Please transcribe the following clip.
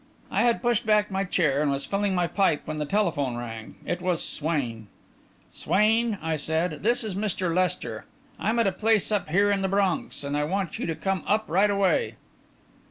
I had pushed back my chair and was filling my pipe when the telephone rang. It was Swain. "Swain," I said, "this is Mr. Lester. I'm at a place up here in the Bronx, and I want you to come up right away."